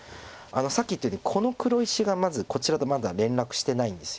さっき言ったようにこの黒石がまずこちらとまだ連絡してないんですよね。